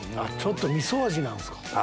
ちょっとみそ味なんすか。